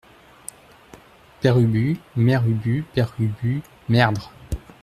père ubu, mère ubu Père Ubu Merdre.